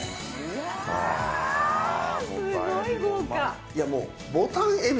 わぁすごい豪華！